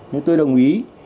nên tôi đồng ý